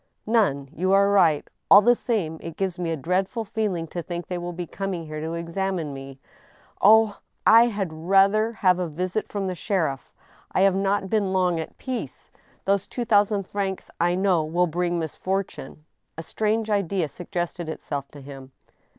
" None. You are right. All the same, it g^ves me a dreadful feeling to think they will be coming here to examine me. ... Oh ! I had rather have a visit from the sheriff. I have not been long at peace. Those two thousand francs, I know, will bring misfortune. " A strange idea suggested itself to him.